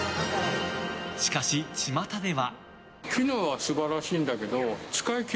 しかし、ちまたでは。